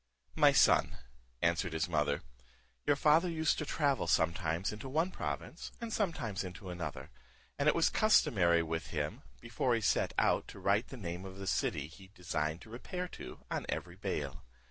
"My son," answered his mother, "your father used to travel sometimes into one province, and sometimes into another; and it was customary with him, before he set out, to write the name of the city he designed to repair to on every bade.